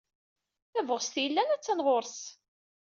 Tabɣest yellan a-tt-an ɣur-s.